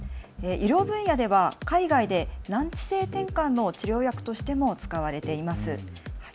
医療分野では海外で難治性てんかんの治療薬としても使われています。